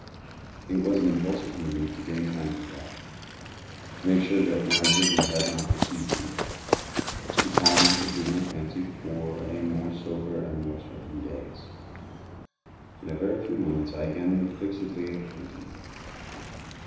It was an impulsive movement to gain time for thought—to make sure that my vision had not deceived me—to calm and subdue my fancy for a more sober and more certain gaze. In a very few moments I again looked fixedly at the painting.